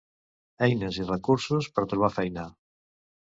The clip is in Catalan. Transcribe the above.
Eines i recursos per trobar feina.